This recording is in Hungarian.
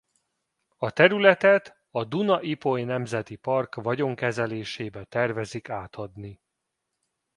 A területet a Duna-Ipoly Nemzeti Park vagyonkezelésébe tervezik átadni.